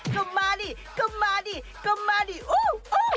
ก็มาดิก็มาดิก็มาดิโอ้